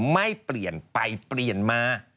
ไม่เปลี่ยนไปเปลี่ยนมา